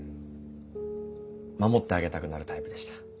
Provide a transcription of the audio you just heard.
守ってあげたくなるタイプでした。